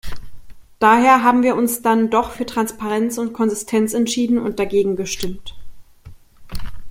Daher haben wir uns dann doch für Transparenz und Konsistenz entschieden und dagegen gestimmt.